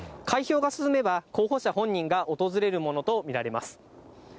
開票が進めば、候補者本人が訪れるものと見られます。